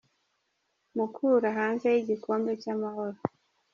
Mukura hanze y’igikombe cy’amahoro